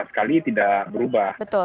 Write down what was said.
sekali tidak berubah